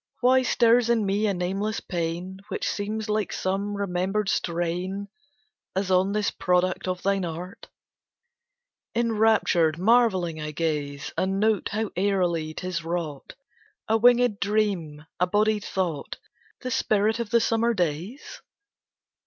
Why stirs in me a nameless pain Which seems like some remembered strain, As on this product of thine art Enraptured, marvelling I gaze, And note how airily 'tis wrought A wingèd dream, a bodied thought, The spirit of the summer days?